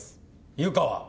湯川。